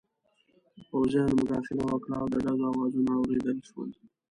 پوځیانو مداخله وکړه او د ډزو اوازونه واورېدل شول.